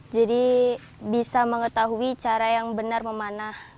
jadi bisa mengetahui cara yang benar memanah